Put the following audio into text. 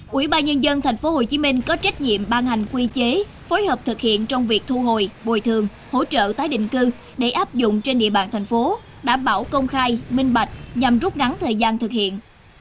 quỹ ba nhân dân tp hcm có trách nhiệm ban hành quy chế phối hợp thực hiện trong việc thu hồi bồi thường hỗ trợ tái định cư để áp dụng trên địa bàn thành phố đảm bảo công khai minh bạch nhằm rút ngắn thời gian thực hiện